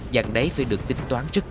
dạng đấy phải được tính toán rất chắc